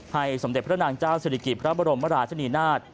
สมเด็จพระนางเจ้าศิริกิตพระบรมราชนีนาฏ